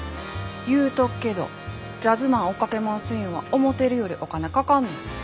言うとっけどジャズマン追っかけ回すいうんは思てるよりお金かかんねん。